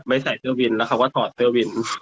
ใส่เสื้อวินแล้วเขาก็ถอดเสื้อวิน